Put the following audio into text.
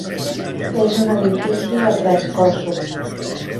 És un edifici de tres cossos.